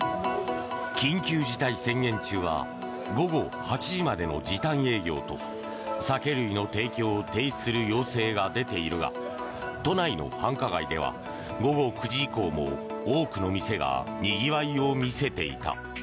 緊急事態宣言中は午後８時までの時短営業と酒類の提供を停止する要請が出ているが都内の繁華街では午後９時以降も多くの店がにぎわいを見せていた。